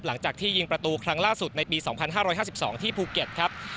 หลังจากที่ยิงประตูครั้งล่าสุดในปี๒๕๕๒ที่ภูเก็ตครับ